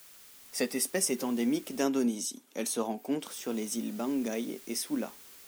Cette espèce est endémique d'Indonésie, elle se rencontre sur les îles Banggai et Sula.